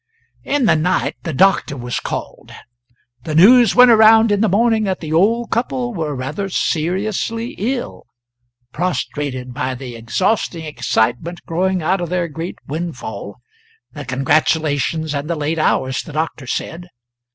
In the night the doctor was called. The news went around in the morning that the old couple were rather seriously ill prostrated by the exhausting excitement growing out of their great windfall, the congratulations, and the late hours, the doctor said.